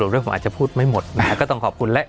เรื่องผมอาจจะพูดไม่หมดต้องขอบคุณ